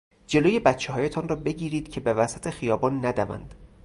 جلو بچههایتان را بگیرید که به وسط خیابان ندوند.